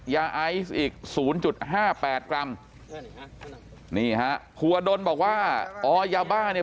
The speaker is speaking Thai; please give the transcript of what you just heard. ยาไอซ์อีกศูนย์จุดห้าแปดกรัมนี่ฮะภูวดลบอกว่าอ๋อยาบ้าเนี่ย